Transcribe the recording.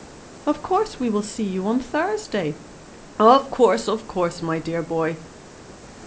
" Of course we see you on Thursday." " Of course, of course, my dear boy."